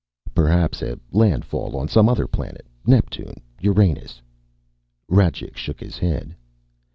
"Perhaps a landfall on some other planet Neptune, Uranus " Rajcik shook his head.